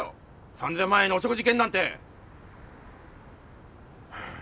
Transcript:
３０００万円のお食事券なんて！